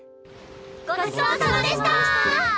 ごちそうさまでした！